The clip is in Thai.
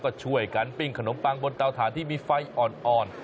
ก็ช่วยกันปิ้งขนมปังบนเตาถ่านที่มีไฟอ่อน